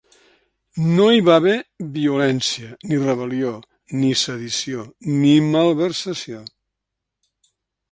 No hi va haver violència, ni rebel·lió, ni sedició, ni malversació.